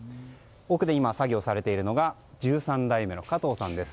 奥で今、作業されているのが１３代目の加藤さんです。